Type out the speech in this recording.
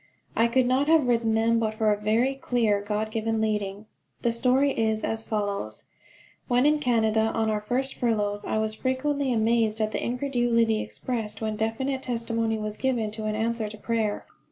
I could not have written them but for a very clear, God given leading. The story is as follows: When in Canada on our first furloughs I was frequently amazed at the incredulity expressed when definite testimony was given to an answer to prayer.